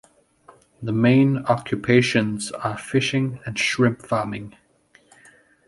The main occupations are fishing and shrimp farming.